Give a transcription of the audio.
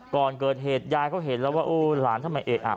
ก่อนเกิดเหตุยายเขาเห็นแล้วว่าโอ้หลานทำไมเอะอะ